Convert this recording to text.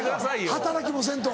働きもせんと。